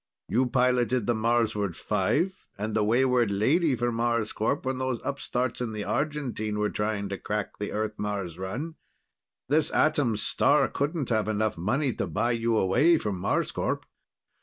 You piloted the Marsward V and the Wayward Lady for Marscorp when those upstarts in the Argentine were trying to crack the Earth Mars run. This Atom Star couldn't have enough money to buy you away from Marscorp."